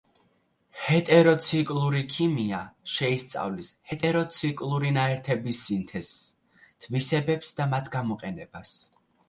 ჰეტეროციკლური ქიმია შეისწავლის ჰეტეროციკლური ნაერთების სინთეზს, თვისებებს და მათ გამოყენებას.